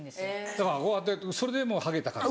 だからこうやってそれでもうハゲた感じ。